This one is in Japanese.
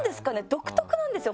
独特なんですよ